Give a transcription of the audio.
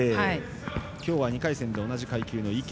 今日は２回戦で同じ階級の池。